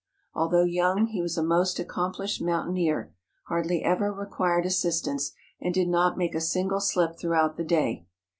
Although young, he was a most accomplished mountaineer, hardly ever required assistance, and did not make a single slip throughout the day.